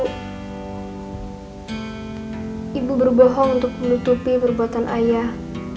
ibu berbohong untuk menutupi perbuatan ayah